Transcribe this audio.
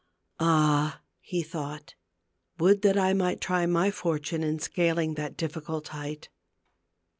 Ah, he thought, would that I might try my fortune in scaling that difficult height.